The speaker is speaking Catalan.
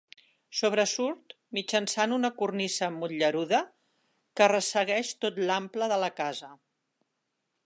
Sobresurt mitjançant una cornisa motllurada que ressegueix tot l'ample de la casa.